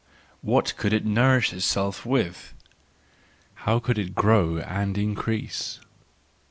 What could it nourish itself with? How could it grow and increase?